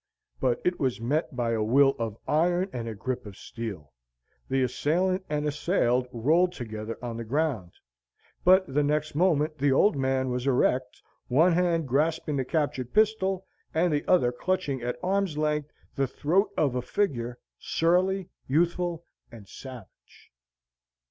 But it was met by a will of iron and a grip of steel. The assailant and assailed rolled together on the ground. But the next moment the old man was erect; one hand grasping the captured pistol, the other clutching at arm's length the throat of a figure, surly, youthful, and savage.